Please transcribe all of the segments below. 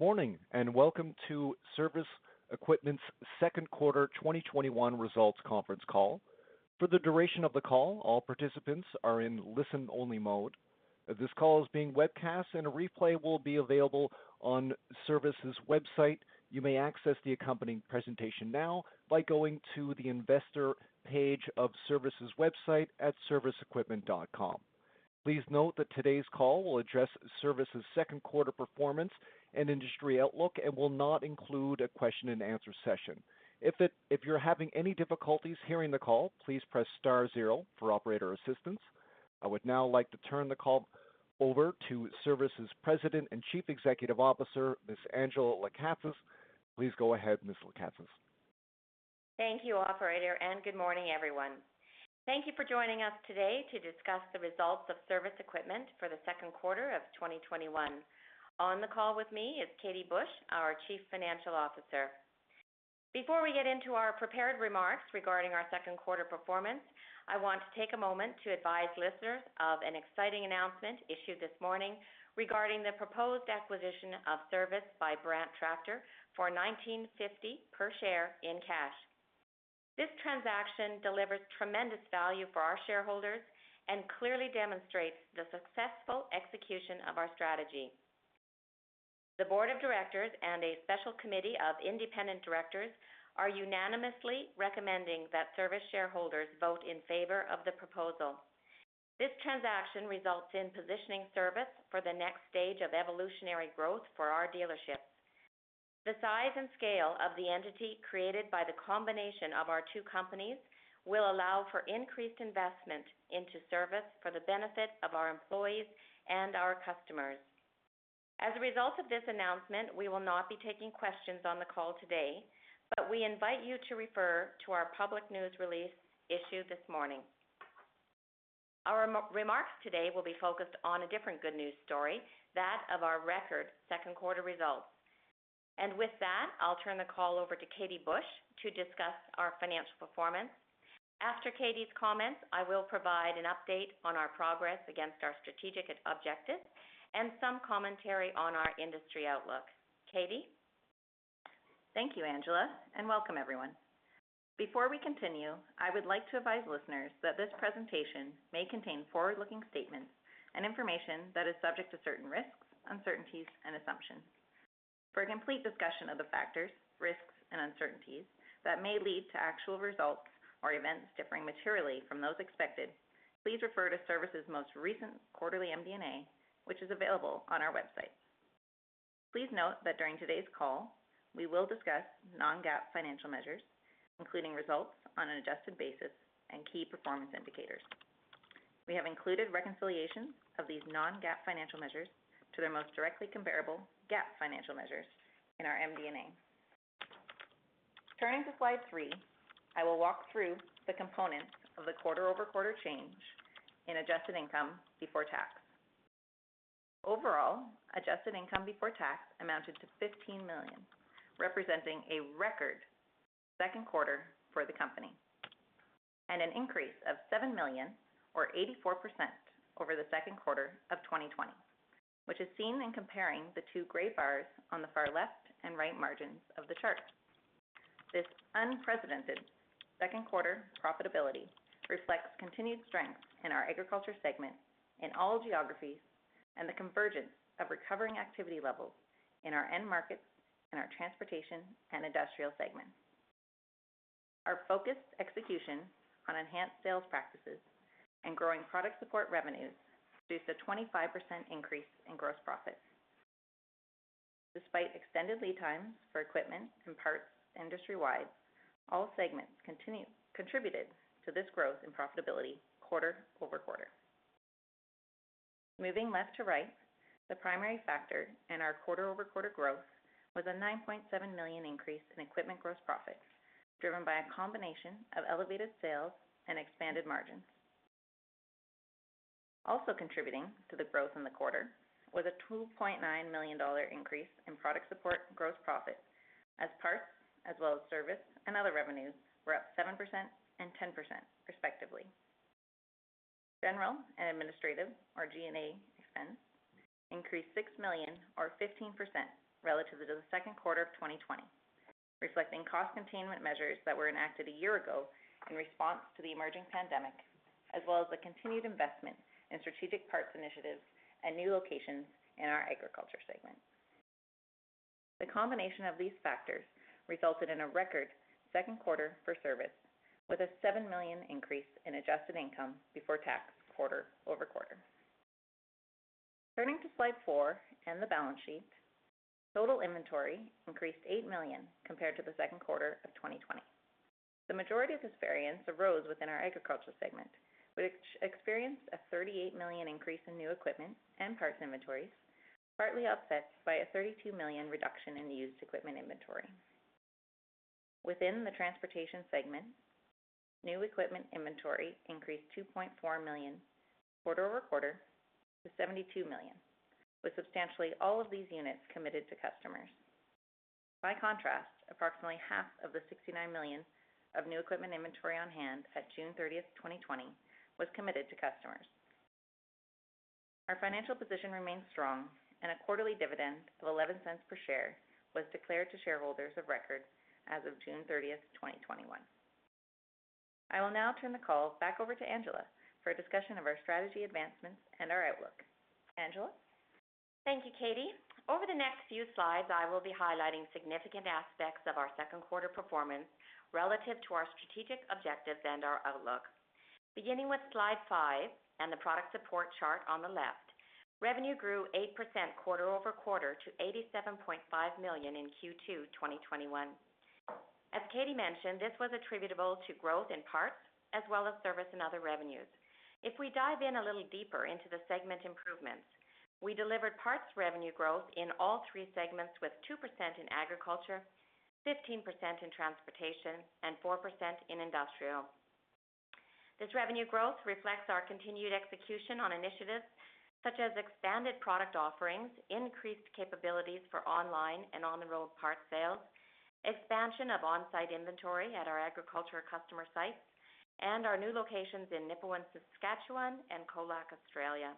Good morning, welcome to Cervus Equipment's Q2 2021 results conference call. For the duration of the call, all participants are in listen-only mode. This call is being webcast and a replay will be available on Cervus' website. You may access the accompanying presentation now by going to the investor page of Cervus' website at cervusequipment.com. Please note that today's call will address Cervus' Q2 performance and industry outlook and will not include a question-and-answer session. If you're having any difficulties hearing the call, please press star zero for operator assistance. I would now like to turn the call over to Cervus' President and Chief Executive Officer, Ms. Angela Lekatsas. Please go ahead, Ms. Lekatsas. Thank you, operator. Good morning, everyone. Thank you for joining us today to discuss the results of Cervus Equipment for the second quarter of 2021. On the call with me is Catie Busch, our Chief Financial Officer. Before we get into our prepared remarks regarding our second quarter performance, I want to take a moment to advise listeners of an exciting announcement issued this morning regarding the proposed acquisition of Cervus by Brandt Tractor for 19.50 per share in cash. This transaction delivers tremendous value for our shareholders and clearly demonstrates the successful execution of our strategy. The Board of Directors and a special committee of independent directors are unanimously recommending that Cervus shareholders vote in favor of the proposal. This transaction results in positioning Cervus for the next stage of evolutionary growth for our dealerships. The size and scale of the entity created by the combination of our two companies will allow for increased investment into Cervus Equipment for the benefit of our employees and our customers. As a result of this announcement, we will not be taking questions on the call today, but we invite you to refer to our public news release issued this morning. Our remarks today will be focused on a different good news story, that of our record second quarter results. With that, I'll turn the call over to Catie Busch to discuss our financial performance. After Catie's comments, I will provide an update on our progress against our strategic objectives and some commentary on our industry outlook. Catie? Thank you, Angela, and welcome everyone. Before we continue, I would like to advise listeners that this presentation may contain forward-looking statements and information that is subject to certain risks, uncertainties, and assumptions. For a complete discussion of the factors, risks, and uncertainties that may lead to actual results or events differing materially from those expected, please refer to Cervus' most recent quarterly MD&A, which is available on our website. Please note that during today's call, we will discuss non-GAAP financial measures, including results on an adjusted basis and key performance indicators. We have included reconciliations of these non-GAAP financial measures to their most directly comparable GAAP financial measures in our MD&A. Turning to slide three, I will walk through the components of the quarter-over-quarter change in adjusted income before tax. Adjusted income before tax amounted to 15 million, representing a record second quarter for the company. An increase of 7 million, or 84%, over the Q2 2020, which is seen in comparing the two gray bars on the far left and right margins of the chart. This unprecedented Q2 profitability reflects continued strength in our Agriculture segment in all geographies and the convergence of recovering activity levels in our end markets in our Transportation and Industrial segments. Our focused execution on enhanced sales practices and growing product support revenues produced a 25% increase in gross profit. Despite extended lead times for equipment and parts industry-wide, all segments contributed to this growth and profitability quarter-over-quarter. Moving left to right, the primary factor in our quarter-over-quarter growth was a 9.7 million increase in equipment gross profit, driven by a combination of elevated sales and expanded margins. Also contributing to the growth in the quarter was a 2.9 million dollar increase in product support gross profit as parts, as well as service and other revenues, were up 7% and 10% respectively. General and administrative, or G&A expense, increased 6 million or 15% relative to the second quarter of 2020, reflecting cost containment measures that were enacted a year ago in response to the emerging pandemic, as well as the continued investment in strategic parts initiatives and new locations in our Agriculture segment. The combination of these factors resulted in a record second quarter for Cervus with a 7 million increase in adjusted income before tax quarter-over-quarter. Turning to slide four and the balance sheet, total inventory increased 8 million compared to the second quarter of 2020. The majority of this variance arose within our Agriculture segment, which experienced a 38 million increase in new equipment and parts inventories, partly offset by a 32 million reduction in used equipment inventory. Within the Transportation segment, new equipment inventory increased 2.4 million quarter-over-quarter to 72 million, with substantially all of these units committed to customers. By contrast, approximately half of the 69 million of new equipment inventory on hand at June 30th, 2020 was committed to customers. Our financial position remains strong, and a quarterly dividend of 0.11 per share was declared to shareholders of record as of June 30th, 2021. I will now turn the call back over to Angela for a discussion of our strategy advancements and our outlook. Angela? Thank you, Catie. Over the next few slides, I will be highlighting significant aspects of our second quarter performance relative to our strategic objectives and our outlook. Beginning with slide five and the product support chart on the left, revenue grew 8% quarter-over-quarter to CAD 87.5 million in Q2 2021. As Catie mentioned, this was attributable to growth in parts as well as service and other revenues. If we dive in a little deeper into the segment improvements, we delivered parts revenue growth in all three segments with 2% in Agriculture, 15% in Transportation and 4% in Industrial. This revenue growth reflects our continued execution on initiatives such as expanded product offerings, increased capabilities for online and on-the-road parts sales, expansion of on-site inventory at our Agriculture customer sites, and our new locations in Nipawin, Saskatchewan and Colac, Australia.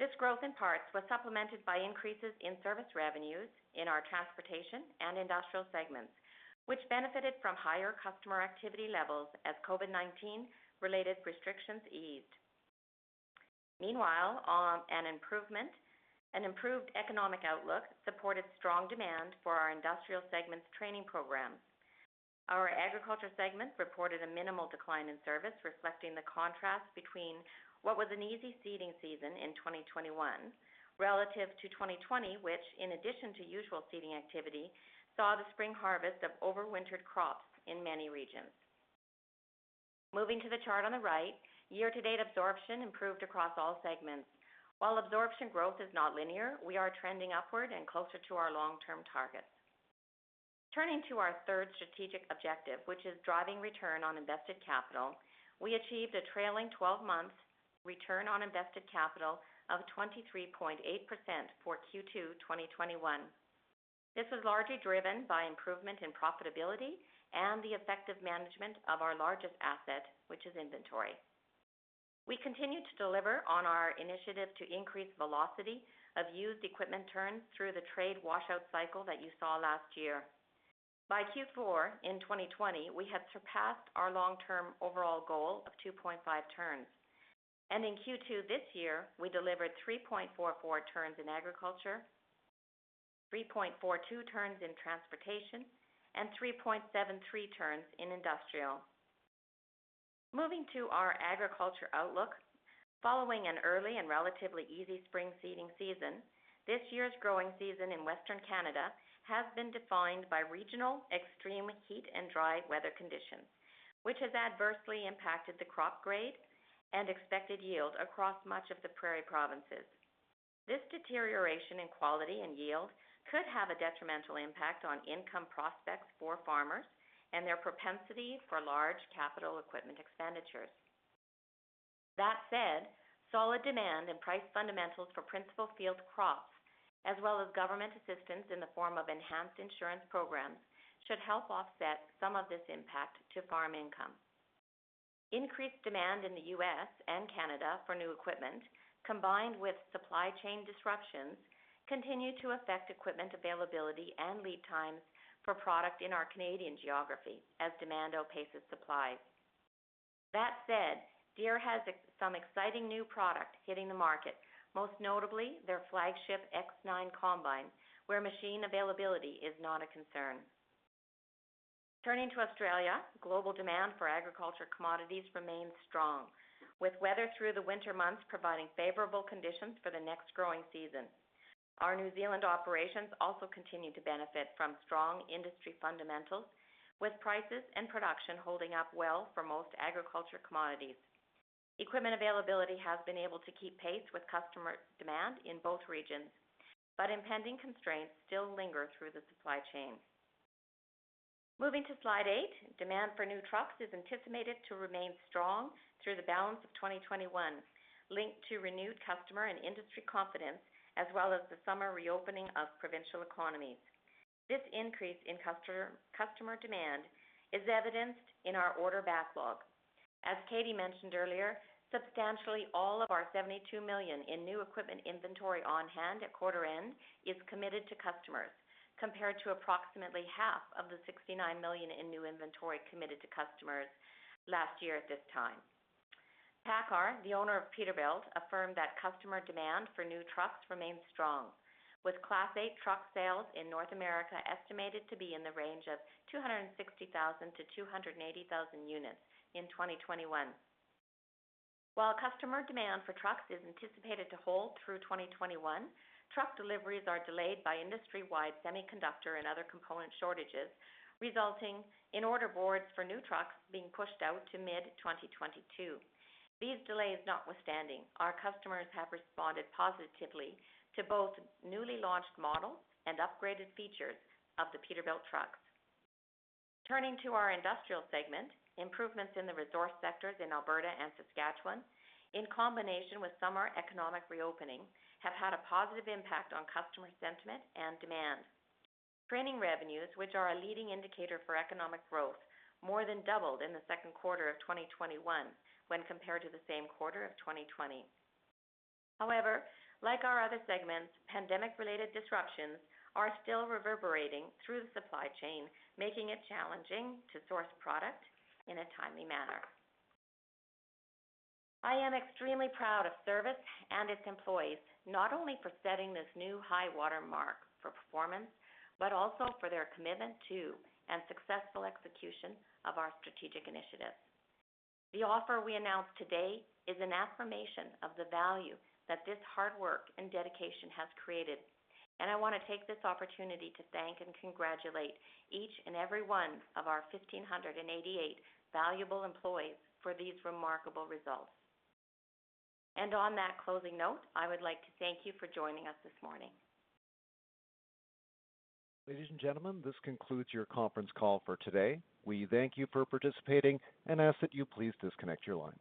This growth in parts was supplemented by increases in service revenues in our Transportation and Industrial segments, which benefited from higher customer activity levels as COVID-19 related restrictions eased. Meanwhile, an improved economic outlook supported strong demand for our Industrial segment's training programs. Our Agriculture segment reported a minimal decline in service, reflecting the contrast between what was an easy seeding season in 2021 relative to 2020, which in addition to usual seeding activity, saw the spring harvest of overwintered crops in many regions. Moving to the chart on the right, year-to-date absorption improved across all segments. While absorption growth is not linear, we are trending upward and closer to our long-term targets. Turning to our third strategic objective, which is driving return on invested capital, we achieved a trailing 12-month return on invested capital of 23.8% for Q2 2021. This was largely driven by improvement in profitability and the effective management of our largest asset, which is inventory. We continue to deliver on our initiative to increase velocity of used equipment turns through the trade washout cycle that you saw last year. By Q4 2020, we had surpassed our long-term overall goal of 2.5 turns. In Q2 2021, we delivered 3.44 turns in Agriculture, 3.42 turns in Transportation and 3.73 turns in Industrial. Moving to our Agriculture outlook. Following an early and relatively easy spring seeding season, this year's growing season in Western Canada has been defined by regional extreme heat and dry weather conditions, which has adversely impacted the crop grade and expected yield across much of the prairie provinces. This deterioration in quality and yield could have a detrimental impact on income prospects for farmers and their propensity for large capital equipment expenditures. Solid demand and price fundamentals for principal field crops, as well as government assistance in the form of enhanced insurance programs, should help offset some of this impact to farm income. Increased demand in the U.S. and Canada for new equipment, combined with supply chain disruptions, continue to affect equipment availability and lead times for product in our Canadian geography as demand outpaces supply. Deere has some exciting new product hitting the market, most notably their flagship X9 combine, where machine availability is not a concern. Turning to Australia, global demand for Agriculture commodities remains strong, with weather through the winter months providing favorable conditions for the next growing season. Our New Zealand operations also continue to benefit from strong industry fundamentals, with prices and production holding up well for most Agriculture commodities. Equipment availability has been able to keep pace with customer demand in both regions, but impending constraints still linger through the supply chain. Moving to slide eight. Demand for new trucks is anticipated to remain strong through the balance of 2021, linked to renewed customer and industry confidence, as well as the summer reopening of provincial economies. This increase in customer demand is evidenced in our order backlog. As Catie mentioned earlier, substantially all of our 72 million in new equipment inventory on hand at quarter end is committed to customers, compared to approximately half of the 69 million in new inventory committed to customers last year at this time. PACCAR, the owner of Peterbilt, affirmed that customer demand for new trucks remains strong with Class 8 truck sales in North America estimated to be in the range of 260,000 units-280,000 units in 2021. While customer demand for trucks is anticipated to hold through 2021, truck deliveries are delayed by industry-wide semiconductor and other component shortages, resulting in order boards for new trucks being pushed out to mid-2022. These delays notwithstanding, our customers have responded positively to both newly launched models and upgraded features of the Peterbilt trucks. Turning to our Industrial segment, improvements in the resource sectors in Alberta and Saskatchewan, in combination with summer economic reopening, have had a positive impact on customer sentiment and demand. Training revenues, which are a leading indicator for economic growth, more than doubled in the second quarter of 2021 when compared to the same quarter of 2020. However, like our other segments, pandemic related disruptions are still reverberating through the supply chain, making it challenging to source product in a timely manner. I am extremely proud of Cervus and its employees, not only for setting this new high watermark for performance, but also for their commitment to and successful execution of our strategic initiatives. The offer we announced today is an affirmation of the value that this hard work and dedication has created, and I want to take this opportunity to thank and congratulate each and every one of our 1,588 valuable employees for these remarkable results. On that closing note, I would like to thank you for joining us this morning. Ladies and gentlemen, this concludes your conference call for today. We thank you for participating and ask that you please disconnect your lines.